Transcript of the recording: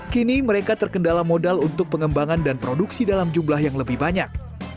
kini mereka terkendala modal untuk pengembangan dan produksi dalam jumlah yang lebih banyak